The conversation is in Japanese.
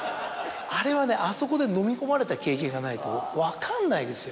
あれはねあそこでのみ込まれた経験がないと分かんないですよ。